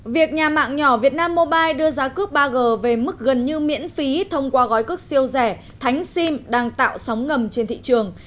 việc nhà mạng nhỏ việt nam mobile đưa giá cước ba g về mức gần như miễn phí thông qua gói cước siêu rẻ thánh sim đang tạo sóng ngầm trên thị trường